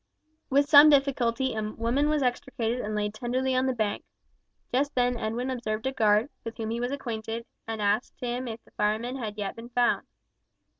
With some difficulty a woman was extricated and laid tenderly on the bank. Just then Edwin observed a guard, with whom he was acquainted, and asked him if the fireman had yet been found.